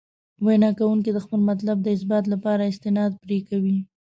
وینا کوونکي د خپل مطلب د اثبات لپاره استناد پرې کوي.